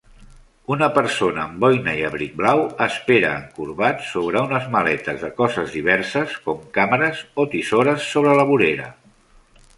Una persona amb boina i abric blau espera encorbat sobre unes maletes de coses diverses com càmeres o tisores sobre la vorera